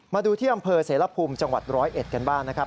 มาดูที่อำเภอเสรภูมิจังหวัด๑๐๑กันบ้างนะครับ